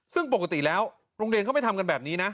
ซึ่งปกติแล้วโรงเรียนเขาไม่ทำกันแบบนี้นะ